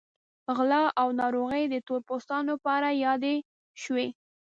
غلا او ناروغۍ د تور پوستانو په اړه یادې شوې.